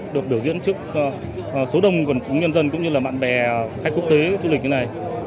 được biểu diễn trước số đông quần chúng nhân dân cũng như là bạn bè khách quốc tế du lịch như này